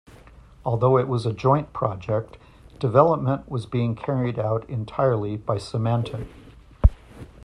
Although it was a joint project, development was being carried out entirely by Symantec.